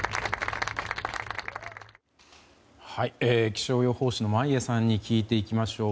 気象予報士の眞家さんに聞いていきましょう。